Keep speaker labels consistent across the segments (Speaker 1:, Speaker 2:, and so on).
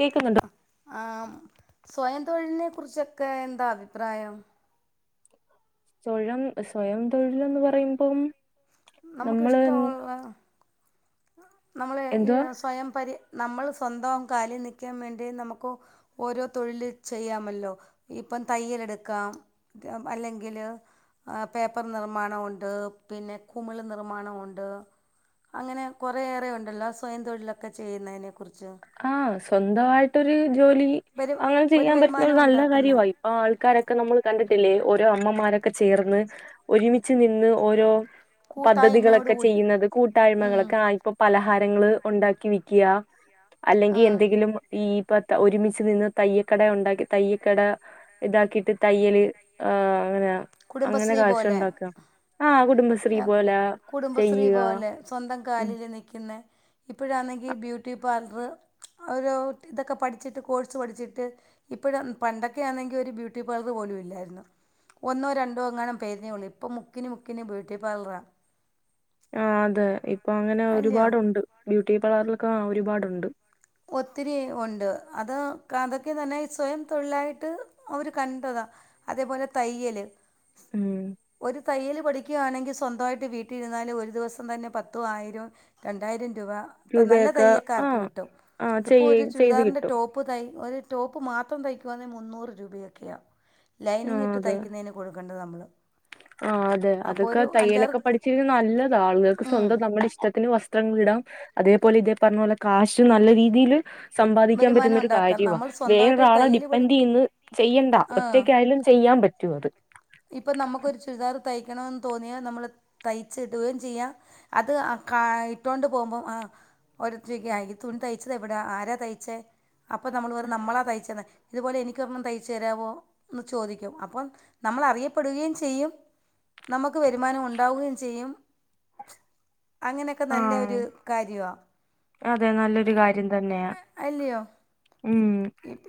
Speaker 1: കേക്ക്ന്ന്ണ്ടോ
Speaker 2: ആഹ് സ്വയം തൊഴിലിനെ കുറിച്ചൊക്കെ എന്താ അഭിപ്രായം
Speaker 1: തൊഴം സ്വയം തൊഴില്ന്ന് പറയുമ്പം നമ്മള്
Speaker 2: നമുക്കിഷ്ട്ടൊള്ള നമ്മള് ഈ
Speaker 1: എന്തുവാ
Speaker 2: സ്വയം പരി നമ്മള് സ്വന്തം കാലിൽ നിൽക്കാൻ വേണ്ടി നമുക്കു. ഓരോ തൊഴില് ചെയ്യാമല്ലോ ഇപ്പം തയ്യലെടുക്കാം മറ്റേ അല്ലെങ്കില് പേപ്പർ നിർമ്മാണവുണ്ട് പിന്നെ കുമിള് നിർമ്മാണവുണ്ട് അങ്ങനെ കുറേയേറെ ഉണ്ടല്ലോ സ്വയം തൊഴിലൊക്കെ ചെയ്യുന്നതിനെക്കുറിച്ച്
Speaker 1: ആഹ് സ്വന്തമായിട്ടൊരു ജോലി
Speaker 2: വരു
Speaker 1: അങ്ങനെ ചെയ്യാൻ പറ്റുന്ന
Speaker 2: വരുമാനം
Speaker 1: ഒരു നല്ല
Speaker 2: ഉണ്ടാക്കുന്ന
Speaker 1: കാര്യവയി ആ ആൾക്കാരൊക്കെ നമ്മൾ കണ്ടിട്ടില്ലേ ഓരോ അമ്മമാരൊക്കെ ചേർന്ന് ഒരുമിച്ച് നിന്ന് ഓരോ
Speaker 2: കൂട്ടായ്മയോട്
Speaker 1: പദ്ധതികളൊക്കെ
Speaker 2: കൂടി
Speaker 1: ചെയ്യുന്നത്
Speaker 2: ഉം
Speaker 1: കൂട്ടായ്മകളൊക്കെ ആ ഇപ്പം പലഹാരങ്ങള് ഉണ്ടാക്കി വിക്ക്‌യ
Speaker 2: ആ
Speaker 1: അല്ലെങ്കിൽ എന്തെങ്കിലും ഈ ഇപ്പ ഒരുമിച്ച് നിന്ന് തയ്യക്കട ഉണ്ടാക്കി തയ്യക്കട ഇതാക്കി ട്ട് തയ്യല് ആ അങ്ങനെയാ അങ്ങനെ
Speaker 2: കുടുംബശ്രീ
Speaker 1: കാശ്
Speaker 2: പോലെ
Speaker 1: ഉണ്ടാക്ക ആഹ് കുടുംബശ്രീ പോലെ
Speaker 2: കുടുംബശ്രീ
Speaker 1: ചെയ്യുക
Speaker 2: പോലെ സ്വന്തം കാലില്
Speaker 1: ഉം
Speaker 2: നിക്കുന്ന ഇപ്പോഴാണെങ്കിൽ ബ്യൂട്ടി പാൽറ്. ഒരു ഇതൊക്കെ പഠിച്ചിട്ട് കോഴ്സ് പഠിച്ചിട്ട് ഇപ്പഴും പണ്ടൊക്കെ ആണെങ്കി ഒരു ബ്യൂ ട്ടി പാർലർ പോലും ഇല്ലായിരുന്നു ഒന്നോ രണ്ടോ അങ്ങാനം പേരിനെ ഉള്ളെ ഇപ്പ മുക്കിന് മുക്കിന് ബ്യൂട്ടി പാർലറാ
Speaker 1: ആഹ് അതെ ഇപ്പൊ അങ്ങനെ
Speaker 2: അല്ലയോ
Speaker 1: ഒരുപാടുണ്ട് ബ്യൂട്ടി പാർലറിലൊക്കെ ഒരുപാടുണ്ട്
Speaker 2: ഒത്തിരി ഉണ്ട് അത് കാന്തെക്ക് തന്നെ സ്വയം തൊഴിലായിട്ട് അവർ കണ്ടതാ അതേപോലെ തയ്യല്
Speaker 1: ഉം
Speaker 2: ഒരു തയ്യല് പഠി ക്കുവാണെങ്കി സ്വന്തായിട്ട് വീട്ടിരുന്നാലും ഒരു ദിവസം തന്നെ പത്തും ആയിരം രണ്ടായിരം രൂപ നല്ല
Speaker 1: രൂപയൊക്കെ ആ
Speaker 2: തയ്യക്കാർക്ക് കിട്ടും
Speaker 1: ആ
Speaker 2: ഇപ്പോ
Speaker 1: ചെയ്
Speaker 2: ഒരു
Speaker 1: ചെയ്ത്
Speaker 2: ചുരിദാറിന്റെ
Speaker 1: കിട്ടും
Speaker 2: ടോ പ്പ് തൈ ഒരു ടോപ്പ് മാത്രം തയ്ക്കുവാന്നെ മുന്നൂറ് രൂപയൊക്കെയാ
Speaker 1: ആ
Speaker 2: ലൈനിങ് ഇട്ട്
Speaker 1: അതെ
Speaker 2: തയ്ക്കുന്നയ്ന് കൊടുക്കണ്ടത് നമ്മള്
Speaker 1: ആ അതെ അതൊക്കെ തയ്യലൊക്കെ പഠിച്ചിര് നല്ലതാ ആളുകൾക്ക്
Speaker 2: ഉം,
Speaker 1: സ്വന്തം നമ്മുടെ ഇഷ്ടത്തിന് വസ് ത്രങ്ങൾ ഇടാം അതേപോലെ ഇതേ പറഞ്ഞ പോലെ കാശ് നല്ല രീതിയില് സമ്പാദിക്കാൻ
Speaker 2: വരുമാനം
Speaker 1: പറ്റുന്നൊരു
Speaker 2: ഉണ്ടാക്കാം
Speaker 1: കാര്യവാ
Speaker 2: നമ്മൾ സ്വന്തമായിട്ട്
Speaker 1: വേറൊരാളെ
Speaker 2: തയ്യൽ പഠി
Speaker 1: ഡിപ്പെൻഡ് ചെയ്ന്ന് ചെയ്യണ്ട ലും ചെയ്യാൻ പറ്റും അത്
Speaker 2: ഇപ്പ നമക്കൊരു ചുരിദാർ തയ്ക്കണന്ന് തോന്നിയാ നമ്മള് തയ്ച്ചിടുകയും ചെയ്യാം അത് അ കാ ഇട്ടോണ്ട് പോവുമ്പോം ആ ഓരോര്ത്തര് ചോയ്ക്കും ആ ഈ തുണി തയ്ച്ചത് എവിടാ ആരാ തയ്ച്ചേ അപ്പൊ നമ്മൾ പറയും നമ്മളാ തയ്ച്ചന്ന് ഇതുപോലെ എനിക്കൊരെണം തയ്ച്ചു തരാവോന്ന് ചോദിക്കും അപ്പം നമ്മൾ അറിയപ്പെടുകയും ചെയ്യും നമുക്ക് വരുമാനം ഉണ്ടാവുകയും ചെയ്യും അങ്ങനെക്കെ
Speaker 1: ആ
Speaker 2: നല്ലൊരു കാര്യവാ
Speaker 1: അതെ നല്ലൊരു കാര്യം തന്നെയാ
Speaker 2: അല്ലയോ
Speaker 1: ഉം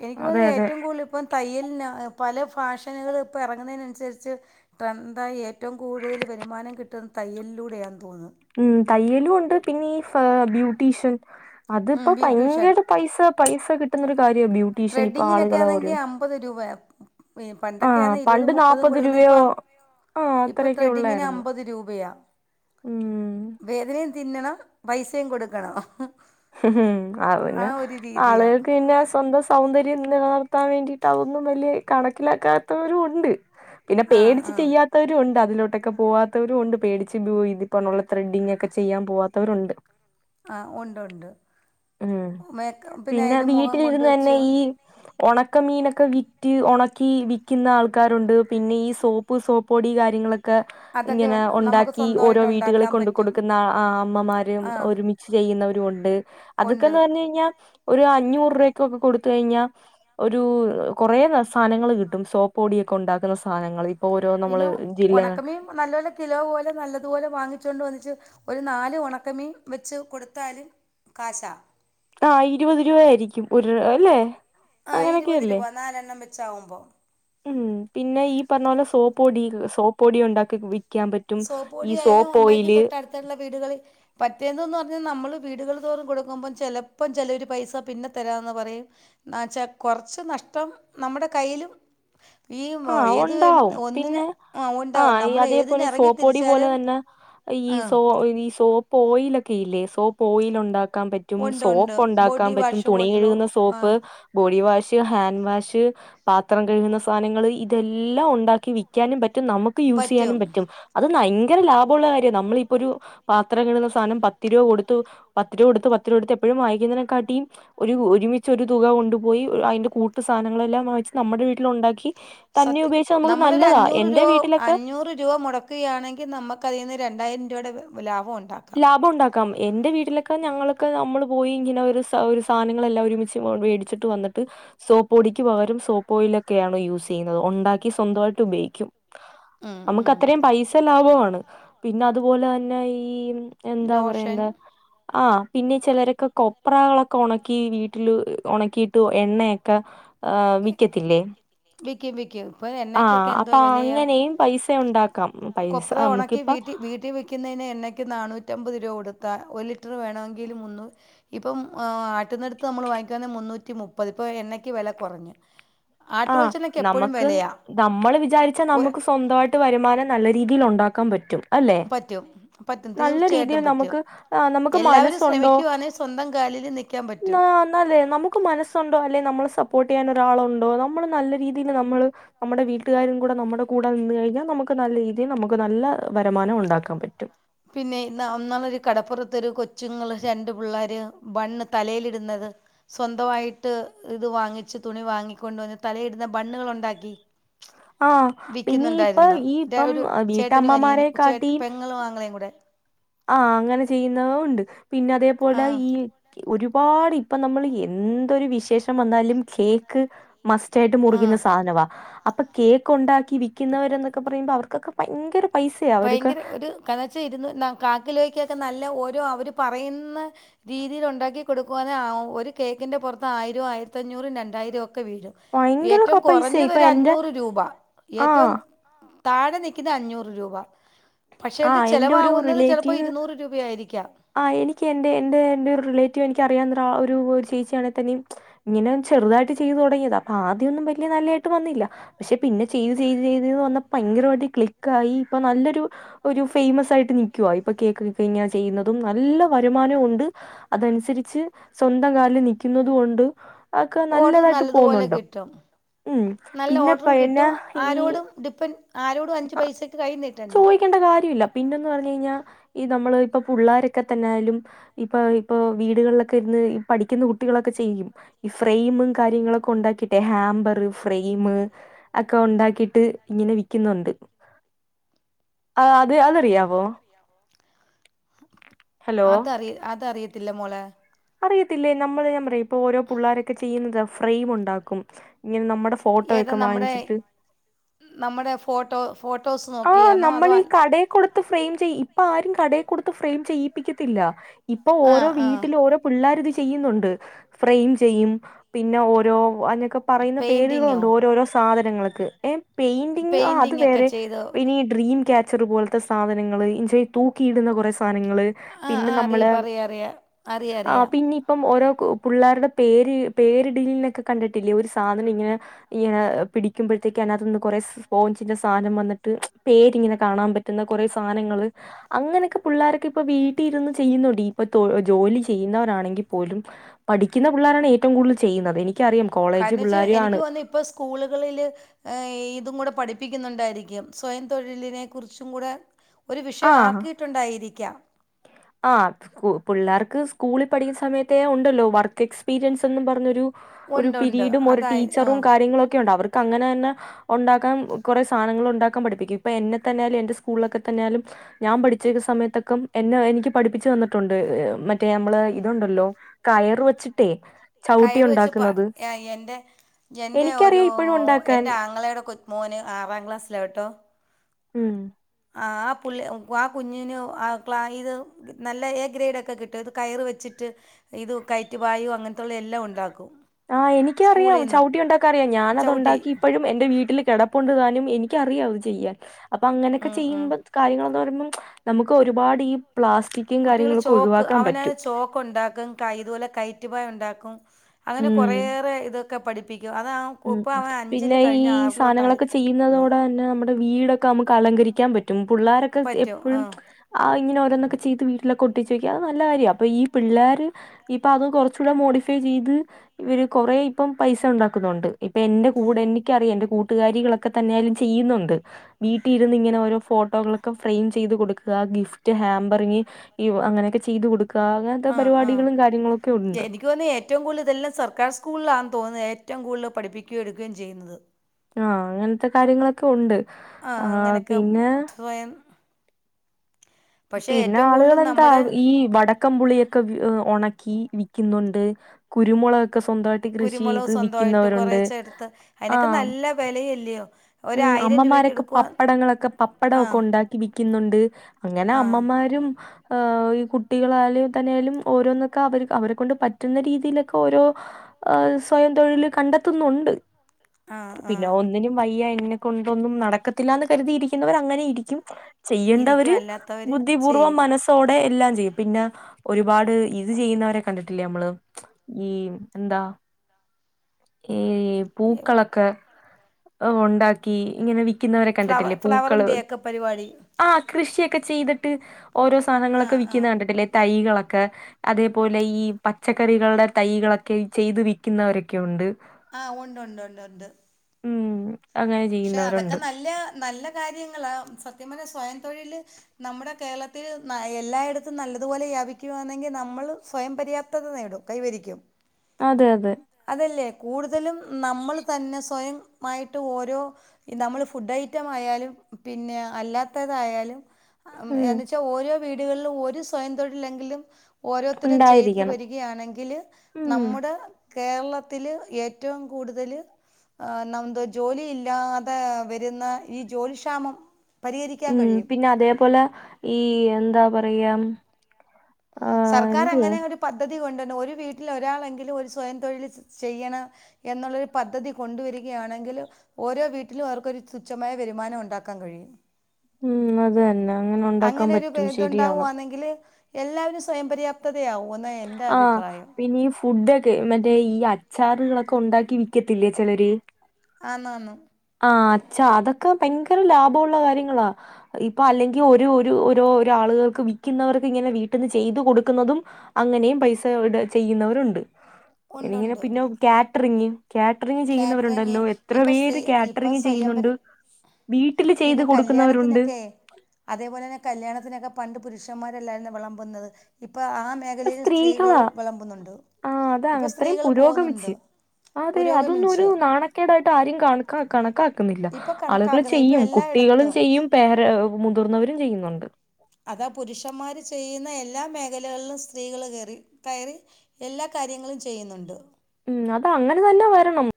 Speaker 2: എനിക്ക്
Speaker 1: അതെ
Speaker 2: തോന്ന്
Speaker 1: അതെ
Speaker 2: ഏറ്റവും കൂടുതൽ ഇപ്പ തയ്യൽനാ പല ഫാഷനുകൾ ഇപ്പ എറങ്ങുന്നതിനനുസരിച്ച് ട്രൻഡായി ഏറ്റവും കൂടുതൽ വരുമാനം കിട്ടുന്ന തയ്യലിലൂടെയാ തോന്നു
Speaker 1: ഉം തയ്യലും ഉണ്ട് പിന്നെ ഈ ഫ ബ്യൂട്ടീഷ്യൻ
Speaker 2: ഉം,
Speaker 1: അതിപ്പോ
Speaker 2: ബ്യൂട്ടീഷ്യൻ
Speaker 1: ഭയങ്കര പൈസ പൈസ കിട്ടുന്നൊരു കാര്യോ ബ്യൂട്ടീഷ്യൻ ഇപ്പൊ
Speaker 2: ത്രെഡിങ്ങിനൊക്കെ
Speaker 1: ആളുകളോരോ
Speaker 2: ആണെങ്കിൽ അമ്പത് രൂപ
Speaker 1: ആഹ്
Speaker 2: പണ്ടൊക്കെയാണ് ഇരുപതും
Speaker 1: പണ്ട്
Speaker 2: മുപ്പതും
Speaker 1: നാപ്പത്
Speaker 2: കൊടുക്കുന്നത്
Speaker 1: രൂവയോ
Speaker 2: ഇപ്പം ഇപ്പം ത്രെഡിങ്ങിന് അമ്പത് രൂപയാ
Speaker 1: ഉം
Speaker 2: വേദനയും തിന്നണം പൈസയും കൊടുക്കണം
Speaker 1: അത്
Speaker 2: ആ
Speaker 1: പിന്നെ
Speaker 2: ഒരു രീതിയാണ്
Speaker 1: ആളുകൾക്ക് പിന്നെ സ്വന്തം സൗന്ദര്യം നിലനിർത്താൻ വേണ്ടിട്ട് അതൊന്നും വല്ല്യ കണക്കിലാക്കാത്തവരുണ്ട് പിന്നെ
Speaker 2: ആ ആ
Speaker 1: പേടിച്ച്ട്ട്യ്യ ത്തവരുംണ്ട് അതിലോട്ടൊക്കെ പോകവാത്തവരു ണ്ട് പേടിച്ച് ബൂ ഇതിപ്പന്നൊള്ള് ത്രെഡിങ്ങക്കെ ചെയ്യാൻ പോവാത്തവരുണ്ട്
Speaker 2: ആഹ് ഉണ്ട് ഉണ്ട്
Speaker 1: ഉം
Speaker 2: മേക്ക്
Speaker 1: പിന്നെ
Speaker 2: അതിൽ മുഖം കൊണ്ട്
Speaker 1: വീട്ടിലിരുന്ന് തന്നെ
Speaker 2: വെച്ച്
Speaker 1: ഈ ഒണക്കമീനൊക്കെ വിറ്റ് ഒണക്കി വിക്കുന്ന ആൾക്കാരുണ്ട് പിന്നെ ഈ സോ പ് സോപ്പൊടി കാര്യങ്ങളൊക്കെ
Speaker 2: അതൊക്കെ
Speaker 1: ഇങ്ങനെ
Speaker 2: ഉൺ- നമുക്ക്
Speaker 1: ഒണ്ടാക്കി ഓരോ
Speaker 2: സ്വന്തമായിട്ട്
Speaker 1: വീട്ടുകളിൽ
Speaker 2: ഉണ്ടാക്കാൻ
Speaker 1: കൊണ്ട്
Speaker 2: പറ്റും
Speaker 1: കൊടുക്കുന്ന അ അമ്മമാരും
Speaker 2: ആ
Speaker 1: ഒരുമി ച്ച് ചെയ്യുന്നവരും ഉണ്ട്
Speaker 2: ഉണ്ട്
Speaker 1: അതൊക്കെന്ന് പറഞ് കഴിഞ്ഞാ ഒരു അഞ്ഞൂറ് രൂവക്കൊക്കെ കൊടുത്ത് കഴിഞ്ഞാ ഒരു കൊറെ [unintelligible] സാനങ്ങൾ കിട്ടും സോപ്പ് പൊടിയൊക്കെ ഉണ്ടാക്കുന്ന സാനങ്ങൾ ഓരോ നമ്മള് ജില്ല
Speaker 2: നല്ലോലെ കിലോ പോലെ നല്ലതുപോലെ വാങ്ങിച്ചോണ്ട് വന്നിട്ട് ഒരു നാല് ഒണക്കമീൻ വെച്ച് കൊടുത്താലും കാശാ
Speaker 1: ആ ഇരുപത് രൂപയാരിക്കും ഉരുര് അല്ലെ
Speaker 2: ആഹ് ഇരുപത്
Speaker 1: അങ്ങനെയൊക്കെയല്ലേ
Speaker 2: രൂപ നാലെണ്ണം വെച്ചാവുമ്പോ
Speaker 1: ഉം പിന്നെ ഈ പറഞ്ഞപോലെ സോപ്പ് പൊടി സോപ്പ് പൊടി ഉണ്ടാക്കി വി ക്കാൻ പറ്റും ഈ സോപ്പ് ഓയില്
Speaker 2: ത്ത്ള്ള വീട്കളി പറ്റേന്ന് ന്ന് പറഞ്ഞാ നമ്മള് വീടുകൾ തോറും കൊടുക്കുമ്പം ചെലപ്പം ചെലവര് പൈസ പിന്നെ തരാന്ന് പറയും ന്നാച്ചാ കൊറച്ച് നഷ്ടം നമ്മടെ കയ്യിലും ഈ മൊ
Speaker 1: ആ
Speaker 2: ഏത്
Speaker 1: ഉണ്ടാവും
Speaker 2: ഒന്നിന്
Speaker 1: പിന്നെ
Speaker 2: ആഹ്
Speaker 1: ആ
Speaker 2: ഒണ്ടാവും
Speaker 1: ഈ
Speaker 2: നമ്മൾ ഏ തിന്
Speaker 1: അതേപോലെ
Speaker 2: എറങ്ങി
Speaker 1: സോപ്പ്
Speaker 2: തിരിച്ചാലും ആഹ്
Speaker 1: ഓ ഈ വീ സോപ്പ് ഓയിലൊക്കെ ഇല്ലേ സോപ്പ് ഓയിലുണ്ടാക്കാം പ റ്റും
Speaker 2: ഉണ്ട് ഉണ്ട്
Speaker 1: സോപ്പു ഒണ്ടാക്കാ
Speaker 2: ബോഡി
Speaker 1: ൻപറ്റും
Speaker 2: വാഷ്
Speaker 1: തുണി
Speaker 2: പോലത്തുള്ള
Speaker 1: കഴുകുന്ന
Speaker 2: ആ
Speaker 1: soap body wash hand wash പാത്രം കഴുകുന്ന സാനങ്ങള് ഇതെല്ലാം ഉണ്ടാക്കി വിക്കാനും പറ്റും ന്നമുക്ക് യൂസെയ്യാനും പറ്റും ഇ അത് ന്നയ്ങ്കര ലാഭൊള്ള കാര്യാ ന്നമ്മളിപ്പൊ രു പാത്രം കെഴുന്ന സാനം പത്തിരൂ കൊടുത്ത് പത്ത് രൂ ഒടുത്ത് പത്ത് രൂപ ഇട്ത് എപ്പഴും വാങ്ങിക്ന്നതിനെക്കാട്ടിയും ഒരു ഒരുമിച്ചൊരു തുക കൊണ്ടുപോയി അയ്ൻ്റെ കൂട്ടു സാനങ്ങളെല്ലാം വാങിച്ച് ന്നമ്മെടെ വീട്ടില് ഉണ്ടാക്കി
Speaker 2: സത്യം ന്നമ്മളൊരു അഞ്ഞൂറ് രൂവൊ
Speaker 1: വീട്ടിലൊക്കെ
Speaker 2: അഞ്ഞൂറ് രൂവ മുടക് ക്കെയാണെങ്കിൽ ന്നമ്മക്കതീന്ന് രണ്ടായിരം രൂവയുടെ വെ ലാഭം ഉണ്ടാ
Speaker 1: ലാഭം ഉണ്ടാക്കാം എൻ്റെ വീട്ടിലൊക്കെ ഞങ്ങൾക്ക് ന്നമ്മള് പോയേങ്കിലവര് സ ഒരു ഒരു സാനങ്ങളെല്ലാം ഒരുമിച്ച് വേ വെടിച്ചി ട്ട് വന്ന്ട്ട് സോപ്പു പൊടിക്ക് പകരം സോപ്പ് ഓയിലൊക്കെയാണ യൂസ് എയ്യ്ന്നത് ഉണ്ടാക്കി സ്വന്തായിട്ട് ഉപയോയിക്യും
Speaker 2: ഉം ഉം
Speaker 1: അമ്ക്ക് അത്രയും
Speaker 2: നമുക്ക്
Speaker 1: പൈസ ലാഭവുമാണ് പിന്നെ അതുപോല അന്നെ ഈ മ് എന്താ
Speaker 2: ലോഷൻ
Speaker 1: പറയണ്ടേ ആ പിന്നെ ചിലരൊക്കെ കൊപ്രാളൊക്കെ ഒണക്കി വീട്ടില് ഒണക്കീട്ട് എണ്ണയൊക്കെ ആഹ് വിക്കത്തില്ലേ
Speaker 2: വിക്കും വിക്കും ഇപ്പൊ എണ്ണയ്ക്കൊക്കെ
Speaker 1: ആഹ്
Speaker 2: എന്തോ
Speaker 1: അപ്പാ
Speaker 2: വിലയാ
Speaker 1: അങ്ങനെയും പൈസ യുണ്ടാക്കാം പൈസ അമുക്കിപ്പ
Speaker 2: ട്ടി വീട്ടിൽ വെക്കുന്നേന് എണ്ണക്ക് നാനൂറ്റമ്പത് രൂവ കൊടുത്താ ഒരു ലിറ്റർ വേണമെങ്കില് മുന്നു ഇപ്പം ആട്ട്ന്നേട്ത്ത് ന്നമ്മള് വാങ്ങിക്കാന് മുന്നൂറ്റി മുപ്പത് പ്പെ എണ്ണക്ക് വെല കൊറഞ്
Speaker 1: ആഹ് ന്നമക്ക് ന്നമ്മള് വിചാരിച്ചാ ന്നമ്ക്ക് സ് സ്വന്തആയിട്ട് വരുമാനം ന്നല്ല രീതിയിൽ ഉണ്ടാക്കാം പറ്റും അല്ലേ
Speaker 2: പറ്റും പറ്റും
Speaker 1: ന്നല്ല രീതിയിൽ
Speaker 2: തീർച്ചയായിട്ടും പറ്റും
Speaker 1: ന്നമുക്ക് ആ ന്നമുക്ക്
Speaker 2: എല്ലാവരും
Speaker 1: മനസ്സുണ്ടോ
Speaker 2: ശ്രമിക്കുവാണെ സ്വന്തം കാലിൽ നിൽക്കാൻ പറ്റും
Speaker 1: ന്നാ ന്നല്ലേ ന്നമുക്ക് മനസ്സുണ്ടോ അല്ലെ ന്നമ്മളെ സപ്പോട്ടെയാൻ ഒരാളുണ്ടോ മ്മള് ന്നല്ല രീതീല് ന്നമ്മൾ അമ്മുടെ വീട്ടുകാരും കൂടെ ന്നമ്മടെ കൂടെ നിന്ന് കഴിഞ്ഞാ ന്നമുക്ക് ന്നല്ല രീതിയിൽ നമുക്ക് ന്നല്ല വരമാനം ഉണ്ടാക്കാം പറ്റും
Speaker 2: പിന്നെ ഇന്ന് ഒന്നാമൊര് കടപ്പുറത്തൊരു കൊച്ചുങ്ങള് രണ്ട് പിള്ളേര് ബണ്ണ് തലേല്ട്ന്നത് സ്വന്തവായിട്ട് ഇത് വാങ്ങിച്ച് തുണി വാങ്ങിക്കൊണ്ട് വന്ന് തലേഇടുന്ന ബണ്ണുകളുണ്ടാക്കി
Speaker 1: ആഹ്
Speaker 2: [unintelligible]
Speaker 1: പിന്നെ ഇപ്പൊ
Speaker 2: വിക്കുന്നുണ്ടായിരുന്നു
Speaker 1: ഈ
Speaker 2: ദേ
Speaker 1: ഇപ്പം
Speaker 2: ഒരു ചേട്ടനും അനിയനു
Speaker 1: വീട്ടമ്മമാരെ
Speaker 2: ചേ
Speaker 1: കാട്ടി
Speaker 2: പെങ്ങളും ആങ്ങളയും കൂ [unintelligible]
Speaker 1: ആഹ് അങ്ങനെ ചെയ്യുന്നോം ഉണ്ട് പിന്നെ അതേപോലെ
Speaker 2: ആഹ്
Speaker 1: ഈ ഒരുപാട് ഇപ്പം ന്നമ്മള് എന്തൊരു വിശേഷം വന്നാലും കേക്ക് മസ്റ്റായിട്ട് മുറിക്കുന്ന
Speaker 2: ആഹ്
Speaker 1: സാനവാ അപം കേക്ക് ഉണ്ടാക്കി വിക്കുന്നവര് എന്നൊക്കെ പറയുമ്പ അവർക്കൊക്കെ ഭയങ്കര പൈസയാ അവർക്ക്
Speaker 2: ഭയങ്കര ഒരു കനച്ച ഇരുന്ന് ന്നാ കാക്കെലോയ്ക്കൊക്കെ ന്നല്ല ഓരോ അവര് പറയുന്ന രീതീല്ഉണ്ടാക്കി കൊടുക്കുവാനെ ആ ഒരു കേക്കിന്റെ പൊർത്ത് ആയിരും ആയിരത്തഞ്ഞൂറും രണ്ടായിരും ഒക്കെ വീഴും
Speaker 1: ഭയങ്കര
Speaker 2: ഏറ്റവും
Speaker 1: ക- പൈസയാ ഇപ്പൊ
Speaker 2: കോറഞ്ഞതൊര്
Speaker 1: എന്റെ
Speaker 2: അഞ്ഞൂറ് രൂപ ഏറ്റവും
Speaker 1: ആഹ്
Speaker 2: താഴെ ന്നിക്ക്ന്നെ അഞ്ഞൂറ് രൂപ പക്ഷേ ല്
Speaker 1: ആഹ് എന്റെ ഒരു
Speaker 2: ചെലവാഉന്നത് ചെലപ്പം ഇരുന്നൂറ് രൂപയായിരിക്കാം
Speaker 1: ആ എനിക്ക് എന്റെ എന്റെ എന്റെ ഒരു റിലേറ്റീവ് എനിക്കറിയാവുന്ന ടാഒരു ഒര് ചേച്ചിയാ നടത്തുന്നത് ഇങ്ങനെ ഒന്ന് ചെറുതായിട്ട് ചെയ്ത് തൊട്ങിയതാ ആദ്യ ഒന്നും ബെല്ല്യ ന്നല്ലായിട്ട് വന്നില്ല പക്ഷെ പിന്നെ ചെയ്ത് ചെയ്ത് ചെയ്ത് വന്ന ഭയങ്കരമായിട്ട് ക്ലിക്കായി ഇപ്പം ന്നല്ലൊരു ഒരു ഫെയ്മസായിട്ട് നിക്കുവാ ഇപ്പം കേക്ക് ഡിസൈൻ ഞാൻചെയ്യുന്ന ത് പ്പം ന്നല്ല വരുമാനും ഉണ്ട് അതനുസരിച്ച് സ്വന്തം കാല്ൽ നി ക്കുന്നതു കൊണ്ട് അഒകെ
Speaker 2: ഓർഡർ
Speaker 1: ന്നല്ലതായിട്ട്
Speaker 2: നല്ലതുപോലെ
Speaker 1: പോകുന്നുണ്ട്
Speaker 2: കിട്ടും
Speaker 1: ഊം
Speaker 2: നല്ല
Speaker 1: പിന്നെ
Speaker 2: ഓർഡറും
Speaker 1: പയ്നാ
Speaker 2: കിട്ടും
Speaker 1: ഈ
Speaker 2: ആരോടും ഡിപ്പെൻ ആരോടും അഞ്ച് പൈസയ്ക്ക് കൈ ന്നീട്ടണ്ടാ
Speaker 1: ക്കെണ്ട കാര്യും ല്ല പിന്നന്ന് പറഞ്ഞ് കഴിഞ്ഞാ ഈ നമ്മള് ഇപ്പ പുള്ളാരൊക്കെ തന്നെ ആയാലും ഇപ്പൊ ഇപ്പൊ വീടുകള്ലൊക്കെ ഇര്ന്ന് പഠിക്കുന്ന കുട്ടികളൊക്കെ ചെയ്യും ഈ ഫ്രെയിമും കാര്യങ്ങളൊക്കെ ഉണ്ടാക്കിട്ടെ ഹാമ്പർ ഫ്രെയിമ ഒക്കെ ഉണ്ടാക്കി ക്കിട്ട് ഇങ്ങനെ വിക്കുന്നുണ്ട് ത് അതറിയാവോ ഹലോ
Speaker 2: അ അത അറിയ തില്ലമോള
Speaker 1: അറിയത്തില്ലേ നമ്മൾ ഞാൻ പറ ഇപ്പൊ ഓരോ പുള്ളാരൊക്കെ ചെയ്യുന്നത് ഫ്രെയിം ഉണ്ടാക്കും ഇങ്ങെ നമ്മ
Speaker 2: ഏതാ നമ്മുടെ നമ്മുടെ ഫോട്ടോ ഫോട്ടോസ്
Speaker 1: ആ
Speaker 2: നോക്കിയനോ അത്
Speaker 1: നമ്മളീ കടേ കൊടുത്ത് ഫ്രെയിം ചെയ ഇപ്പൊ ആരും കടെകൊടുത്ത് ഫ്രെയിം ചെയ്യിപ്പിക്കത്തില്ല ഇപ്പൊ ഓരോ
Speaker 2: ആഹ് ആഹ്
Speaker 1: വീട്ടിൽ ഓരോ പിള്ളേരിത് ചെയ്യുന്നുണ്ട് ഫ്രെയിം ചെയ്യും പിന്നെ ഓരോ അതിനൊക്കെ പറയുന്ന
Speaker 2: പെയിന്റിങ്ങോ
Speaker 1: പേരുകളുണ്ട് ഓരോരോ സാധനങ്ങൾക്ക് ഏയ് പെയിന്റിങ് ആഹ് അത്
Speaker 2: ഒക്കെ
Speaker 1: വേറെ
Speaker 2: ചെയ്തോ
Speaker 1: ഈഡ്രീം കാച്ചർ പോലത്തെ സാധനങ്ങള് ഇന തൂക്കിയിടുന്ന കുറെ സാധനങ്ങള്
Speaker 2: ആഹ്
Speaker 1: പിന്നെ
Speaker 2: ആഹ് അറിയ
Speaker 1: നമ്മള്
Speaker 2: പറയാ അറിയാ അറിയാ
Speaker 1: ആഹ്
Speaker 2: അറിയാം
Speaker 1: പിന്നി ഇപ്പം ഓരോ പിള്ളേരുടെ പേര് പേരിടലിനൊക്കെ കണ്ടിട്ടില്ലേ ഒരു സാധനം ഇങ്ങനെ ഈനെ പിടിക്കുമ്പോഴത്തേക്ക് അതിനകത്ത്ന്ന് കൊറെ സ്പോഞ്ചിന്റെ സാധനം വന്ന് [unintelligible] പേരിങ്ങനെ കാണാൻ പറ്റുന്ന കുറെ സാധനങ്ങള് അങ്ങനൊക്കെ പിള്ളോരൊക്കെ ഇപ്പൊ വീട്ടിൽ ഇരുന്ന് ചെയ്യുന്നുണ്ട് ഇപ്പൊ ജോലി ചെയ്യുന്നവരാണെങ്കിൽ പോലും പഠിക്കുന്ന പിള്ളേരാണ് ഏറ്റവും കൂടുതൽ ചെയ്യുന്നത് എനിക്കറിയാം കോളേജ് പിള്ളേരു ആണ്
Speaker 2: ഇപ്പോ സ്കൂളുകളില് ഏയ് ഇതും കൂടെ പഠിപ്പിക്കുന്നുണ്ടായിരിക്കും സ്വയം തൊഴിലിനെ കുറിച്ചും കൂടെ ഒരു വിഷയം ആക്കിയിട്ടുണ്ടായിരിക്കാം
Speaker 1: അഹ് പിള്ളേർക്ക് സ്കൂളിൽ പഠിക്കുന്ന സമയത്ത ഉണ്ടല്ലോ വർക്ക് എക്സ്പീരിയൻസ് എന്നും പറഞ്ഞൊരു ഒരു
Speaker 2: ഉണ്ട് ഉണ്ട്
Speaker 1: പിരീഡും ഒരു
Speaker 2: അതായി
Speaker 1: ടീച്ചറും
Speaker 2: ആഹ്
Speaker 1: കാര്യങ്ങളും ഒക്കെ ഉണ്ട് അവർക്ക് അങ്ങനെ തന്നെ ഉണ്ടാക്കൻ കുറെ സാധനങ്ങൾ ഉണ്ടാക്കാൻ പഠിപ്പിക്കും ഇപ്പൊ എന്നെ തന്നെയാലും എൻ്റെ സ്കൂളിലൊക്കെ തന്നെയാലും ഞാൻ പഠിച്ചേക്ക സമയത്തൊക്കെ എന്നെ എനിക്ക് പഠിപ്പിച്ച് തന്നിട്ടുണ്ട് മറ്റേ നമ്മള് ഇതുണ്ടല്ലോ കയറ് വച്ചിട്ടേ
Speaker 2: കയറി വെച്ച് പ എൻ്റെ എൻ്റെ ഒരു
Speaker 1: എനിക്കറിയാം ഇപ്പോഴും ഉണ്ടാക്കാൻ
Speaker 2: എന്റെ ആങ്ങളയുടെ കോ മോന് ആറാം ക്ലാസ്സില കേട്ടോ
Speaker 1: ഉം
Speaker 2: ആഹ് ആ പുള്ളി ആ കുഞ്ഞിനു ആ ഇത് നല്ല എ ഗ്രേഡ ഒക്കെ കിട്ടുംത് കയറ് വെച്ചിട്ട് ഇത് കയറ്റ് പായും അങ്ങനത്തുള്ള എല്ലാം ഉണ്ടാക്കും
Speaker 1: ആഹ് എനിക്കറിയാം
Speaker 2: സ്കൂളിൽ നിന്ന്
Speaker 1: ചവിട്ടി ഉണ്ടാക്ക അറിയാം ഞാനത്
Speaker 2: ചവിട്ടി
Speaker 1: ഉണ്ടാക്കി ഇപ്പോഴും എന്റെ വീട്ടില് കിടപ്പുണ്ട് താനും എനിക്ക അറിയാം ത് ചെയ്യാൻ അപ്പ അങ്ങനെയൊക്കെ
Speaker 2: ഉം, ഉം.
Speaker 1: ചെയ്യുമ്പ കാര്യങ്ങളെന്ന് പറയുമ്പം നമുക്ക് ഒരുപാട് ഈ പ്ലാസ്റ്റിക്കും
Speaker 2: കുട്ടികള്
Speaker 1: കാര്യങ്ങളൊക്കെ
Speaker 2: ചോക്ക്
Speaker 1: ഒഴിവാക്കാൻ
Speaker 2: അവന
Speaker 1: പറ്റും
Speaker 2: ചോക്ക് ഉണ്ടാക്കും കൈതുപോലെ കയറ്റുപായംഉണ്ടാക്കും അങ്ങനെ
Speaker 1: ഉം
Speaker 2: കുറേറെ ഇതൊക്കെ പഠിപ്പിക്കും അതാ
Speaker 1: ഉം ഉം പിന്നെ ഈ സാധനങ്ങളൊക്കെ
Speaker 2: ഉള്ളൂ
Speaker 1: ചെയ്യുന്നതോടെ ന്നെ നമ്മ വീടൊക്കെ നമുക്ക് അലങ്കരിക്കാൻ പറ്റും പിള്ളാരൊക്കെ
Speaker 2: പറ്റും പറ്റും
Speaker 1: എപ്പോഴും
Speaker 2: ആഹ്
Speaker 1: ആഹ് ഇങ്ങനെഓരോന്നൊക്കെ ചെയ്ത് വീട്ടിലൊക്കെ ഒട്ടിച്ചു വെക്കാ അത് നല്ല കാര്യ അപ്പ ഈ പിള്ളോര് ഇപ്പൊ അത് കൊറച്ചുകൂടെ മോഡിഫൈ ചെയ്ത് ഇവര് കൊറെ ഇപ്പം പൈസ ഉണ്ടാക്കും ക്കുന്നുണ്ട് ഇപ്പൊ എന്റെ കൂടെ എനിക്കറിയാം എൻ കൂട്ടുകാരികളൊക്കെ തന്നെയായാലും ചെയ്യുന്നുണ്ട് വീട്ടി ഇരുന്ന് ഇങ്ങനെ ഓരോ ഫോട്ടോകളൊക്കെ ഫ്രെയിം ചെയ്ത് കൊടുക്കുക ഗിഫ്റ്റ് ഹാമ്പറിങ്ങ ഈ വഅങ്ങനെയൊക്കെ ചെയ്തു കൊടുക്കുക അങ്ങനത്തെ
Speaker 2: ആഹ് ആഹ്
Speaker 1: പരിപാടികളും കാര്യങ്ങളൊക്കെ ഉണ്ട്
Speaker 2: എനിക്ക് തോന്നുന്ന ഏറ്റവും കൂടുതൽ ഇതെല്ലാം സർക്കാർ സ്കൂളിലാണ് തോന്നുന്നത് ഏറ്റവും കൂടുതൽ പഠിപ്പിക്കുകയും എടുക്കുകയും ചെയ്യുന്നത്
Speaker 1: ആഹ് അങ്ങനത്തെ കാര്യങ്ങളൊക്കെ ഉണ്ട്
Speaker 2: ആഹ്
Speaker 1: അഹ്
Speaker 2: അങ്ങനെയൊക്കെ
Speaker 1: പിന്നെ
Speaker 2: [unintelligible] പക്ഷെ
Speaker 1: പിന്നെ
Speaker 2: ഏറ്റവും കൂടുതൽ
Speaker 1: ആളുകളെന്താ
Speaker 2: നമ്മുടെ
Speaker 1: ഈ വട ക്കം പുളിയൊക്കെ ഉണക്കി വിക്കുന്നുണ്ട് കുരുമുള
Speaker 2: കുരുമുളക് സ്വന്ത വായിട്ട് കൊറേ ചെ എടുത്ത് അതിനൊക്കെ
Speaker 1: ആഹ്
Speaker 2: നല്ല വിലയല്ലയോ
Speaker 1: ഉം
Speaker 2: ഒരായിരം രൂപയ്ക്ക്
Speaker 1: അമ്മമാരൊക്കെ
Speaker 2: എടുക്കുവ
Speaker 1: പപ്പടങ്ങളൊക്കെ പപ്പടമൊക്കെ
Speaker 2: ആഹ്
Speaker 1: ഉണ്ടാക്കി വിൽക്കുന്നുണ്ട് അങ്ങനെ
Speaker 2: ആഹ്
Speaker 1: അമ്മമാരും ആഹ് ഈ കുട്ടികളായാലും തന്നൊലും ഓരോന്നൊക്കെ അവർ അവരെ കൊണ്ട് പറ്റുന്ന രീതിയിലൊക്കെ ഓരോ അഹ് സ്വയം തൊഴില് കണ്ടെത്തുന്നുണ്ട്.
Speaker 2: ആഹ്
Speaker 1: പിന്നെ
Speaker 2: ആഹ്
Speaker 1: ഒന്നിനും വയ്യ എന്നെ കൊണ്ടൊന്നും നടക്കത്തില്ലാന്ന് കരുതിയിരിക്കുന്നവര് അങ്ങനെ ഇരിക്ക്യും.
Speaker 2: ഇരിക്കും
Speaker 1: ചെയ്യണ്ടവര്
Speaker 2: അല്ലാത്തവര്
Speaker 1: ബുദ്ധിപൂർവ്വം
Speaker 2: ചെയ്യും
Speaker 1: മനസ് സോടെ എല്ലാ ചെയ്യും പിന്ന ഒരുപാട് ഇത് ചെയ്യുന്നവരെ കണ്ടിട്ടില്ലേ നമ്മള്. ഈ ന്താ ഏ ഏ ഏ.
Speaker 2: യ്യോ
Speaker 1: പൂക്കളൊക്കെ അ് ഉണ്ടാക്കി ങ്ങനെ വി ക്ക്യ്ന്നവരെ
Speaker 2: ഫ്ലവ
Speaker 1: കണ്ടിട്ടില്ലേ പൂക്കള്.
Speaker 2: ഫ്ലവറിന്റെയൊക്കെ പരിപാടി
Speaker 1: ആഹ് കൃഷിയൊക്കെ ചെയ്ത്ട്ട് ഓരോ സാധനങ്ങളൊക്കെ
Speaker 2: ആഹ് ആഹ്
Speaker 1: വിക്ക്യുന്ന കണ്ടിട്ടല്ലേ തൈകളൊക്കെ. അതേപോലെ ഈ പച്ചക്കറികൾടെ തൈകളൊക്കെ ചെയ്ത് വിക്ക്യുന്നവരൊക്കെ ഉണ്ട്.
Speaker 2: ആഹ് ഉണ്ട് ഉണ്ട് ഉണ്ട് ഉണ്ട്.
Speaker 1: ഉം അങ്ങായി.
Speaker 2: ക്ഷെ അതൊക്കെ നല്ല നല്ല കാര്യങ്ങളാ സത്യം പർഞ്ഞ സ്വയം തൊഴില്. നമ്മുടെ കേരളത്തില് ന്ന എല്ലായിടത്തും നല്ലതുപോലെ വ്യാപിക്കുകാന്നെങ്കി നമ്മള് സ്വയം പര്യാപ്തത നേടും. കൈവരിക്ക്യും.
Speaker 1: അതെ അതെ.
Speaker 2: അതല്ലേ കൂടുതലും നമ്മൾ തന്നെ സ്വയം. മായിട്ട് ഓരോ നമ്മള് ഫുഡൈറ്റം ആയാലും പിന്നെ അല്ലാത്തതായാലും. അ
Speaker 1: ഉം
Speaker 2: എന്ന് വച്ചാ ഓരോ വീടുകൾലു ഒരു സ്വയം തൊഴിലെങ്കിലും. ഓരോത്തരും ചെയ്ത്
Speaker 1: ഉണ്ടായിരിക്കണം
Speaker 2: വരികയാണെങ്കില്
Speaker 1: ഉം
Speaker 2: നമ്മുടെ. കേരളത്തില് ഏറ്റവും കൂടുതല്. ആ നംന്തോ ജോലിയില്ലാതെ വരുന്ന ഈ ജോലി ക്ഷാമം.
Speaker 1: ഉം പിന്നതേപോലെ ഈ എന്താ പറയാ. ആഹ്
Speaker 2: സർക്കാർ
Speaker 1: എന്തുവാ
Speaker 2: അങ്ങനെ ഒരു പദ്ധതി കൊണ്ടുരണം ഒരു വീട്ടിൽ ഒരാളെങ്കിലും ഒരു സ്വയം തൊഴിൽ ചെയ്യണ. എന്നുള്ളൊരു പദ്ധതി കൊണ്ടുവരികയാണെങ്കിലു. ഓരോ വീട്ടിലും അവർക്കൊരു തുച്ഛമായ വരുമാനം ഉണ്ടാക്കാൻ കഴിയും.
Speaker 1: ഉം അത് തന്ന.
Speaker 2: അങ്ങനെരു പെ തുണ്ടാവുവിന്നെങ്കില്. എല്ലാവരും സ്വയം പര്യാപ്തയാകൂ എന്ന എൻറെ
Speaker 1: ആഹ്
Speaker 2: അഭിപ്രായം.
Speaker 1: പിന്നെ ഈ ഫുഡൊക്കെ മറ്റേ ഈ അച്ചാറ്കളൊക്കെ ഉണ്ടാക്കി വിക്ക്യത്തില്ലേ ചെലര്.
Speaker 2: ആന്നാന്നു.
Speaker 1: ആഹ് അച്ചാ അതൊക്കെ ഭയ്ങ്കര ലാഭമുള്ള കാര്യങ്ങളാ. ഇപ്പ അല്ലെങ്കി ഒരു ഒരു ഒരോ ഒരാളുകൾക്ക് വിക്ക്യുന്നവർക്കിങ്ങനെ വീട്ട്ന്ന് ചെയ്തു കൊടുക്കുന്നതും. അങ്ങനെയും പൈസ ഇ ട ചെയ്യുന്നവരുണ്ട് പിന്നിങ്ങന
Speaker 2: ഉണ്ടുണ്ട്
Speaker 1: പിന്നൊ കാറ്ററിംഗ് ക്യാറ്റ് റ്റ്റിം
Speaker 2: കാറ്ററിങ്
Speaker 1: ചെയ്യുന്നവരുണ്ടല്ലോ എത്ര
Speaker 2: ഇപ്പം സ്ത്രീ
Speaker 1: പേര്.
Speaker 2: ഇപ്പം
Speaker 1: കാറ്ററിങ്
Speaker 2: സ്വയം
Speaker 1: ചെയ്യുന്നുണ്ട്
Speaker 2: പര്യ
Speaker 1: വീട്ടില് ചെയ്ത് കൊടുക്കുന്നവരുണ്ട്.
Speaker 2: എ അതേപോലെന്നെ കല്യാണത്തിനൊക്കെ പണ്ട് പുരുഷന്മാരല്ലായിരുന്നു വിളമ്പുന്നത് ഇപ്പൊ ആ
Speaker 1: ഇപ്പ
Speaker 2: മേഖലയില് സ്ത്രീകളു
Speaker 1: സ്ത്രീകളാ
Speaker 2: വെളമ്പുന്നുണ്ട്
Speaker 1: ആഹ് അതാ
Speaker 2: ഇപ്പൊ
Speaker 1: അത്രയും
Speaker 2: സ്ത്രീകള് പോകുന്നുണ്ട്.
Speaker 1: പുരോഗമിച്ച് അതെ അതൊന്നൊരു
Speaker 2: പുരോഗമിച്ചു
Speaker 1: നാണക്കേടായിട്ട് ആരിം കാണ് കണക്കാക്ക ക്ക്ന്നില്ല
Speaker 2: ഇപ്പോൾ
Speaker 1: ആളുകള്
Speaker 2: കണക്കാക്കുന്നത് ഇപ്പോൾ
Speaker 1: ചെയ്യും കുട്ടികളും
Speaker 2: എല്ലായിടത്തും
Speaker 1: ചെയ്യും പേര മുതിർന്നവരും ചെയ്യുന്നുണ്ട്.
Speaker 2: അതാ പുരുഷന്മാര് ചെയ്യുന്ന എല്ലാ മേഖലകൾലു സ്ത്രീകള് കേറി കയറി. എല്ലാ കാര്യങ്ങളും ചെയ്യുന്നുണ്ട്.
Speaker 1: ഉം അത അങ്ങന തന്നെ വരണം.